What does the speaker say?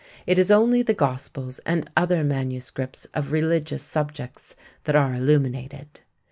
It is only the Gospels and other manuscripts of religious subjects that are illuminated.